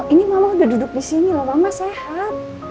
ini mama udah duduk di sini loh mama sehat